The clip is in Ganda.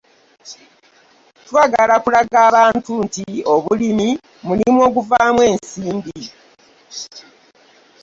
“Twagala kulaga abantu nti obulimi mulimu oguvaamu ensimbi."